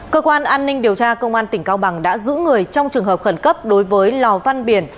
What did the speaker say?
cơ quan an ninh điều tra công an tỉnh cao bằng đã giữ người trong trường hợp khẩn cấp đối với lò văn biển